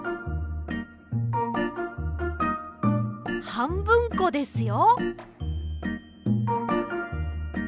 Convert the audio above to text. はんぶんこですよ。